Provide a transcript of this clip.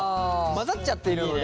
混ざっちゃっているので。